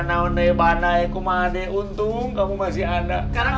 naonai banaikum adek untung kamu masih ada karena